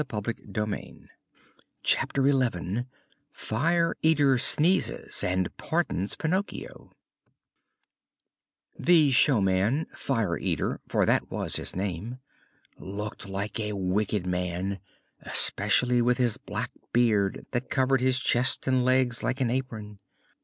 CHAPTER XI FIRE EATER SNEEZES AND PARDONS PINOCCHIO The showman, Fire Eater for that was his name looked like a wicked man, especially with his black beard that covered his chest and legs like an apron.